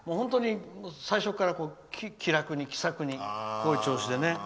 最初から気楽に気さくにこういう調子でね。